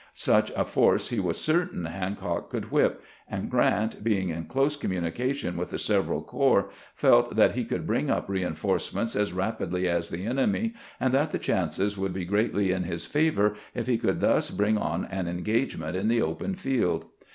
Such a force he was certain Hancock could whip ; and Grant, being in close communication with the several corps, felt that he could bring up rein forcements as rapidly as the enemy, and that the chances would be greatly in his favor if he could thus bring on an engagement in the open field.